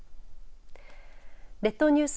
列島ニュース